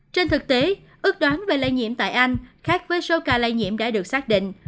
trên thực tế ước đoán về lây nhiễm tại anh khác với số ca lây nhiễm đã được xác định